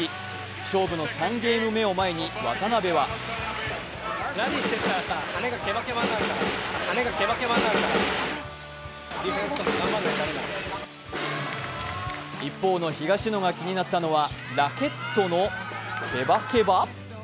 勝負の３ゲーム目を前に渡辺は一方の東野が気になったのは、ラケットのケバケバ？